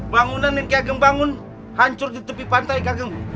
bangunan yang gagem bangun hancur di tepi pantai gagem